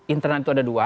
internal itu ada dua